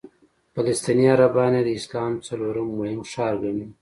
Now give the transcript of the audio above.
فلسطیني عربان یې د اسلام څلورم مهم ښار ګڼي.